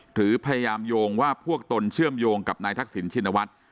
หรือพยายามโยงว่าพวกตนเชื่อมโยงกับนายทักษิณชินวัฒน์